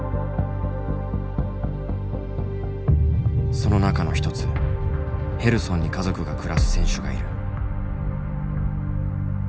その中の一つヘルソンに家族が暮らす選手がいる。